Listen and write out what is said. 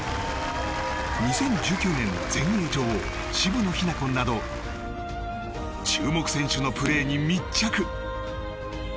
２０１９年の全英女王渋野日向子など注目選手のプレーに密着。